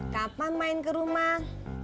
kapan main ke rumah